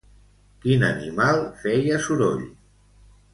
Quin animal feia soroll?